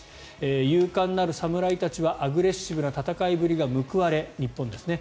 勇敢なるサムライたちはアグレッシブな戦いぶりが報われ日本ですね。